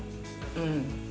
うん